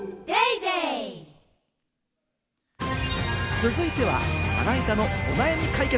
続いては、まな板のお悩み解決。